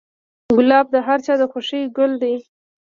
ګلاب د هر چا د خوښې ګل دی.